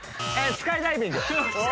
スカイダイビング。